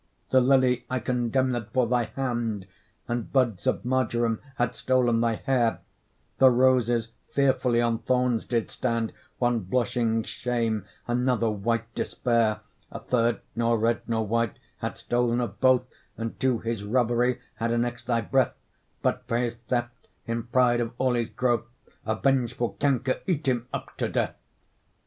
The lily I condemned for thy hand, And buds of marjoram had stol'n thy hair; The roses fearfully on thorns did stand, One blushing shame, another white despair; A third, nor red nor white, had stol'n of both, And to his robbery had annex'd thy breath; But, for his theft, in pride of all his growth A vengeful canker eat him up to death.